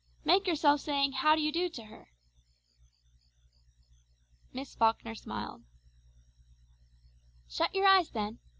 Make yourself saying 'How do you do,' to her." Miss Falkner smiled. "Shut your eyes then.